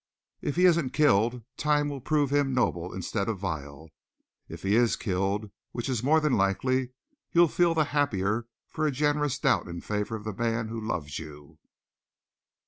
"If he isn't killed, time will prove him noble instead of vile. If he is killed, which is more than likely, you'll feel the happier for a generous doubt in favor of the man who loved you."